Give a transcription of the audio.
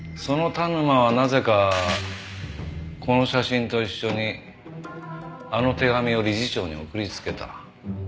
その田沼はなぜかこの写真と一緒にあの手紙を理事長に送りつけた。